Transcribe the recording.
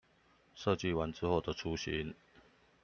設計完之後的雛形